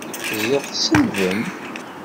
Ziɣ tselbem!